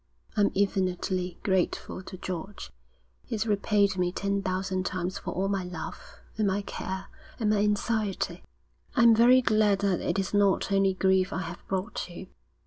I'm infinitely grateful to George. He's repaid me ten thousand times for all my love, and my care, and my anxiety.' 'I'm very glad that it is not only grief I have brought you.